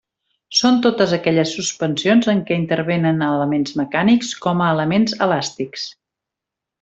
Són totes aquelles suspensions en què intervenen elements mecànics com a elements elàstics.